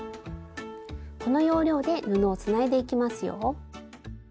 この要領で布をつないでいきますよ。